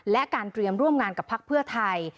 และการเตรียมร่วมงานกับพักเพื่อไทย